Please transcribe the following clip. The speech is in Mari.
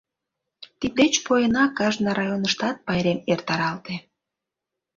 Тиддеч поена кажне районыштат пайрем эртаралте.